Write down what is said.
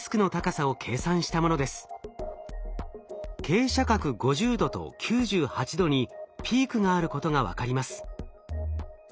傾斜角５０度と９８度にピークがあることが分かります。